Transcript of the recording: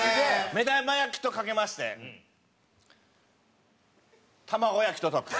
目玉焼きとかけまして玉子焼きととく。